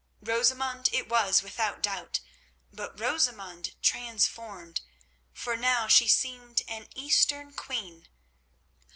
Rosamund it was without doubt, but Rosamund transformed, for now she seemed an Eastern queen.